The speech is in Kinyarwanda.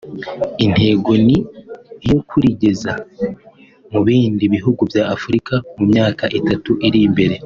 Intego ni iyo kurigeza no mu bindi bihugu bya Afurika mu myaka itatu iri imbere